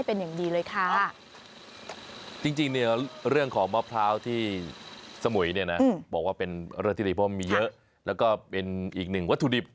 เป็นเรือที่หลีบพ่อมีเยอะแล้วก็เป็นอีกหนึ่งวัตถุดิบ